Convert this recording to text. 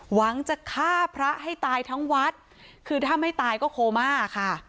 หวังจะฆ่าพระให้ตายทั้งวัดคือถ้าไม่ตายก็โคม่าค่ะ